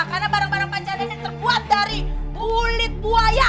karena barang barang pak jandra ini terbuat dari kulit buaya